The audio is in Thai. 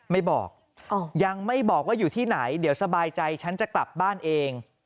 ไม่บอกยังไม่บอกว่าอยู่ที่ไหนเดี๋ยวสบายใจฉันจะกลับบ้านเอง